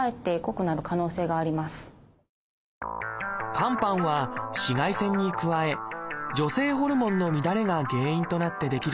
肝斑は紫外線に加え女性ホルモンの乱れが原因となって出来るしみです。